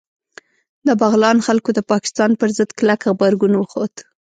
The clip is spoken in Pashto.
د بغلان خلکو د پاکستان پر ضد کلک غبرګون وښود